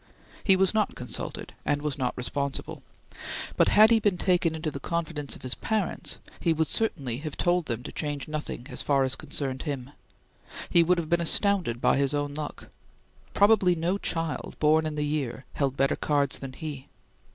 He was not consulted and was not responsible, but had he been taken into the confidence of his parents, he would certainly have told them to change nothing as far as concerned him. He would have been astounded by his own luck. Probably no child, born in the year, held better cards than he.